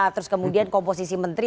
terus kemudian komposisi menteri